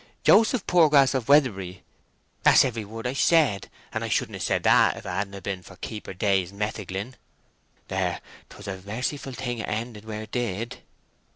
'Joseph Poorgrass of Weatherbury,'—that's every word I said, and I shouldn't ha' said that if 't hadn't been for Keeper Day's metheglin.... There, 'twas a merciful thing it ended where it did."